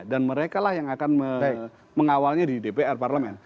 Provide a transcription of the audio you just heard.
dan mereka lah yang akan mengawalnya di dpr parlemen